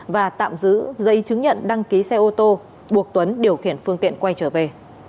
và tạm giữ giấy chứng nhận đăng ký xe ô tô buộc tuấn điều khiển phương tiện quay trở về